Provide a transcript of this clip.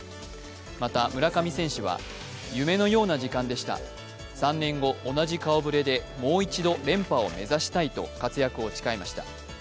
また村上選手は夢のような時間でした、３年後同じ顔ぶれでもう一度連覇を目指したいと活躍を誓いました。